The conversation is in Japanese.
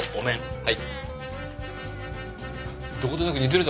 はい。